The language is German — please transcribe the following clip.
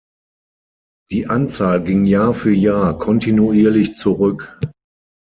Die Anzahl ging Jahr für Jahr kontinuierlich zurück.